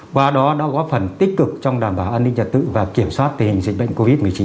qua đó đã góp phần tích cực trong đảm bảo an ninh trật tự và kiểm soát tình hình dịch bệnh covid một mươi chín